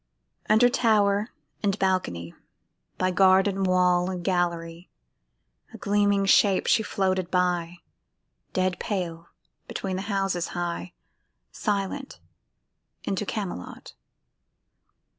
Under tower and balcony, By garden wall and gallery, A gleaming shape she floated by, Dead pale between the houses high, Silent into Camelot.